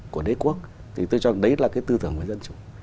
của đế quốc thì tôi cho rằng đấy là cái tư tưởng về dân chủ